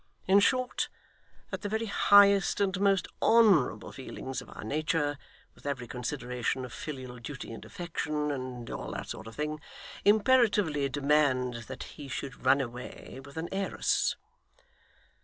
In short, that the very highest and most honourable feelings of our nature, with every consideration of filial duty and affection, and all that sort of thing, imperatively demand that he should run away with an heiress.